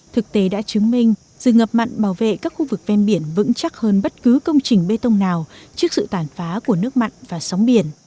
thực tế đã chứng minh rừng ngập mặn bảo vệ các khu vực ven biển vững chắc hơn bất cứ công trình bê tông nào trước sự tàn phá của nước mặn và sóng biển